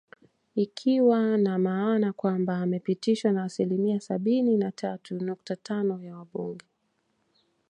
Ikiwa na maana kwamba amepitishwa na asilimia sabini na tatu nukta tano ya wabunge